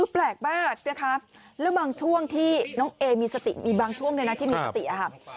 แปลกมากนะคะแล้วบางช่วงที่น้องเอมีสติมีบางช่วงด้วยนะที่มีสติอะค่ะ